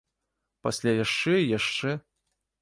Пасля яшчэ і яшчэ.